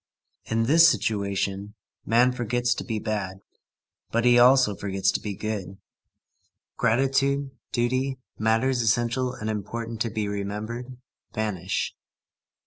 In this situation, man forgets to be bad, but he also forgets to be good. Gratitude, duty, matters essential and important to be remembered, vanish.